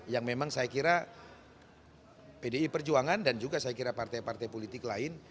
yang memang saya kira pdi perjuangan dan juga saya kira partai partai politik lain